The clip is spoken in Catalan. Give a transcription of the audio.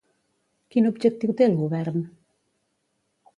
Quin objectiu té el govern?